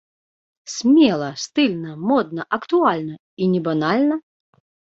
Смела, стыльна, модна, актуальна і не банальна!